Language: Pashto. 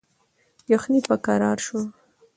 یخني په کراره شوه.